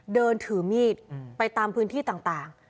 เดินถือมีดไปตามพื้นที่ต่าง